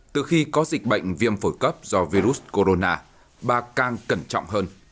từ khi có dịch bệnh viêm phổi cấp do virus corona bà càng cẩn trọng hơn